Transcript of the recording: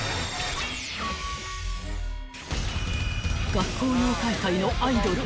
［学校妖怪界のアイドル］